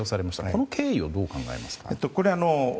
この経緯をどう考えますか。